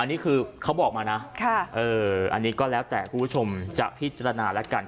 อันนี้คือเขาบอกมานะอันนี้ก็แล้วแต่คุณผู้ชมจะพิจารณาแล้วกัน